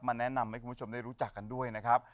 แนะนำให้คุณผู้ชมได้รู้จักกันด้วยนะครับ